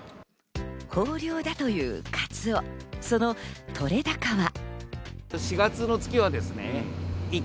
豊漁だというカツオ、その取れ高は。